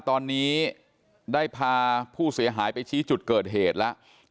ตอนนี้ได้พาผู้เสียหายไปชี้จุดเกิดเหตุแล้ว